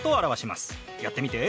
やってみて。